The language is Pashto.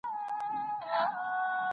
ترافیکو د ښارونو نظم ساته.